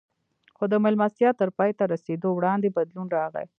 خو د مېلمستیا تر پای ته رسېدو وړاندې بدلون راغی